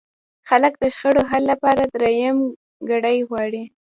خلک د شخړو حل لپاره درېیمګړی غواړي.